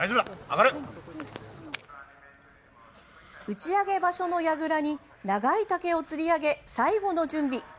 打ち上げ場所のやぐらに長い竹をつり上げ、最後の準備。